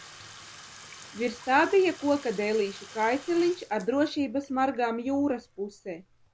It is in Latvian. Virs tā bija koka dēlīšu kājceliņš ar drošības margām jūras pusē.